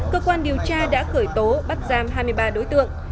cơ quan điều tra đã khởi tố bắt giam hai mươi ba đối tượng